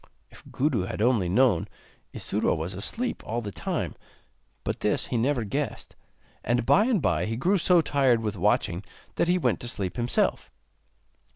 If Gudu had only known, Isuro was asleep all the time; but this he never guessed, and by and bye he grew so tired with watching that he went to sleep himself.